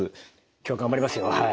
今日頑張りますよはい。